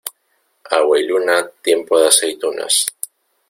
Agua y luna, tiempo de aceitunas.